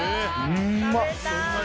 うんまっ！